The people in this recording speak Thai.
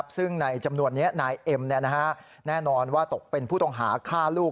ซึ่งในจำนวนนี้นายเอ็มแน่นอนว่าตกเป็นผู้ต้องหาฆ่าลูก